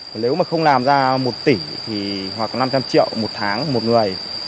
nếu mà không làm ra một tỉ hoặc là năm trăm linh triệu một tháng một người